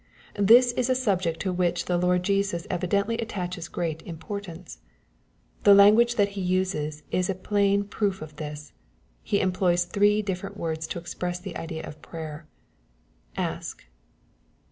This is a subject to which the Lord Jesus evidently attaches great importance. The language that He uses is a plain proof of this. He employs three different words to express the idea of prayer, " Ask.''